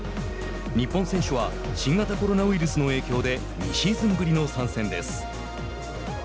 日本選手は新型コロナウイルスの影響で２シーズンぶりの参戦です。